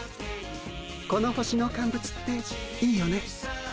この星のカンブツっていいよね。